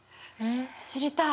知りたい！